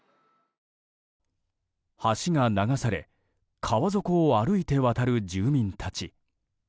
橋が流され川底を歩いて渡る住民たち。